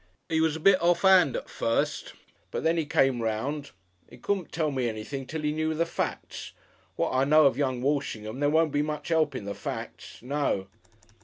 "He was a bit off'and at first, but then 'e come 'round. He couldn't tell me anything till 'e knew the facts. What I know of young Walshingham, there won't be much 'elp in the facts. No!"